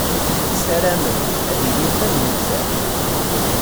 Ssarament ad ilint am nettat.